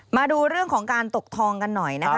มาดูเรื่องของการตกทองกันหน่อยนะคะ